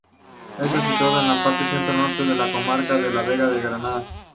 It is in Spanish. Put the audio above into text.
Está situada en la parte centro-norte de la comarca de la Vega de Granada.